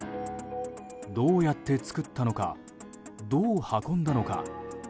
どうやって作ったのかどう運んだのか。